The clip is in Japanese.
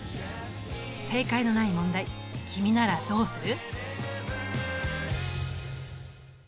正解のない問題君ならどうする？